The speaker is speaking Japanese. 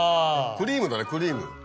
クリームだねクリーム。